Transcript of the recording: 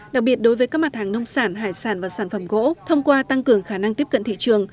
đặc biệt đối với các mặt hàng nông sản hải sản và sản phẩm gỗ thông qua tăng cường khả năng tiếp cận thị trường